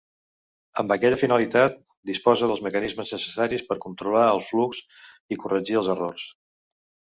Amb aquesta finalitat disposa dels mecanismes necessaris per controlar el flux i corregir els errors.